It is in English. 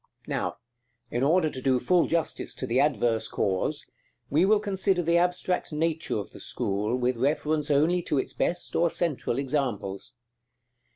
§ IV. Now, in order to do full justice to the adverse cause, we will consider the abstract nature of the school with reference only to its best or central examples.